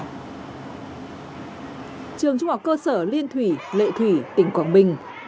trường trung học cơ sở liên thủy lệ thủy tỉnh quảng bình